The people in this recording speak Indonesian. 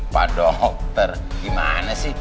pak dokter gimana sih